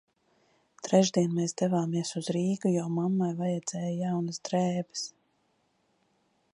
Trešdien mēs devāmies uz Rīgu, jo mammai vajadzēja jaunas drēbes.